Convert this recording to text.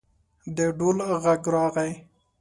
د ډول غږ راغی.